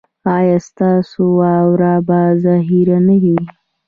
ایا ستاسو واوره به ذخیره نه وي؟